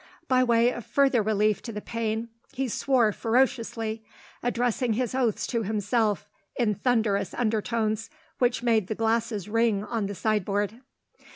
By way of further relief to the pain, he swore ferociously; addressing his oaths to himself, in thunderous undertones which made the glasses ring on the sideboard.